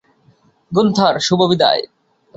Gunther, শুভ বিদায়।